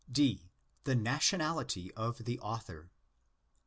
D.—Nationality of the Author.